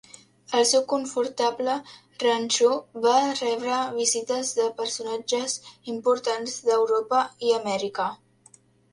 Al seu confortable ranxo va rebre visites de personatges importants d'Europa i Amèrica.